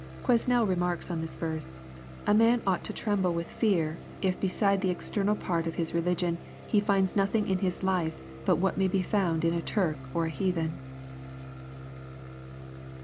] Quesnel remarks on this verse :" A man ought to tremble with fear, if beside the external part of his re ligion, he finds nothing in his life but what may be found in a Turk or a heathen."